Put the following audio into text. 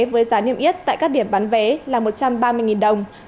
với giá niêm yết tại các điểm bán vé là một trăm ba mươi đồng